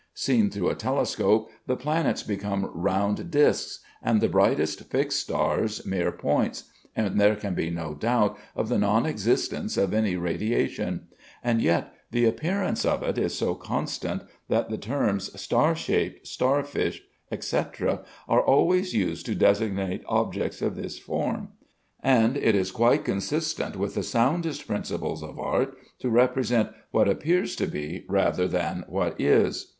Seen through a telescope the planets become round disks, and the brightest fixed stars mere points, and there can be no doubt of the non existence of any radiation; and yet the appearance of it is so constant that the terms "star shaped," "star fish," etc., are always used to designate objects of this form; and it is quite consistent with the soundest principles of art to represent what appears to be, rather than what is.